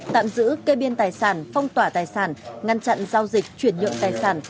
tạm giữ kê biên tài sản phong tỏa tài sản ngăn chặn giao dịch chuyển nhượng tài sản